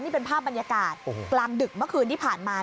นี่เป็นภาพบรรยากาศกลางดึกเมื่อคืนที่ผ่านมา